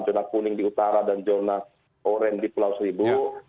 zona kuning di utara dan zona orange di pulau seribu